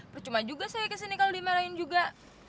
percuma juga saya kesini kalau dimarahin juga